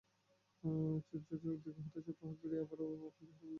চোটজর্জর দীর্ঘ হতাশার প্রহর পেরিয়ে আবারও আপন চেহারায় চিরসবুজ ড্যানিয়েল ভেট্টোরি।